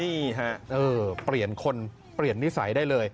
นี่ฮะเปลี่ยนคนเปลี่ยนนิสัยได้เลย